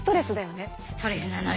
ストレスなのよ。